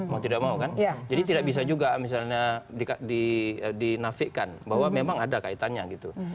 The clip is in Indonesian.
mau tidak mau kan jadi tidak bisa juga misalnya dinafikkan bahwa memang ada kaitannya gitu